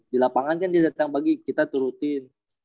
di lapangan kan dia datang bagi kita turutin